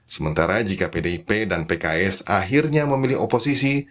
sementara jika pdip dan pks akhirnya memilih oposisi